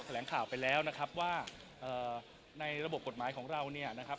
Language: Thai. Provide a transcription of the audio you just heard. แหลงข่าวไปแล้วนะครับว่าในระบบกฎหมายของเราเนี่ยนะครับ